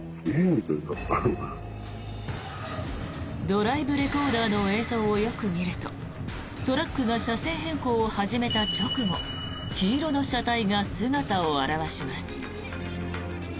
ドライブレコーダーの映像をよく見るとトラックが車線変更を始めた直後黄色の車体が姿を現します。